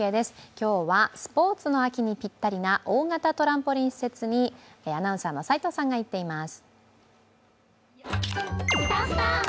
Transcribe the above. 今日はスポーツの秋にぴったりな大型トランポリン施設にアナウンサーの齋藤さんが行っています。